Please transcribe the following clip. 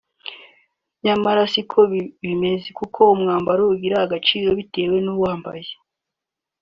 nyamara siko bimeze kuko umwambaro ugira agaciro bitewe n’ uwambaye